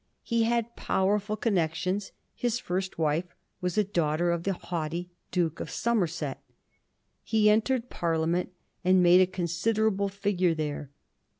He had powerful connections; his first wife was a daughter of the haughty Duke of Somerset. He entered Parliament and made a con siderable figure there.